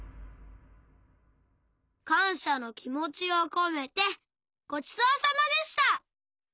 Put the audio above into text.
かんしゃのきもちをこめてごちそうさまでした！